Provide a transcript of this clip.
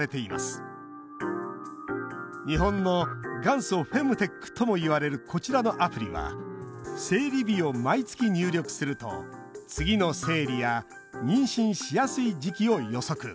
日本の元祖フェムテックともいわれるこちらのアプリは生理日を毎月入力すると次の生理や妊娠しやすい時期を予測。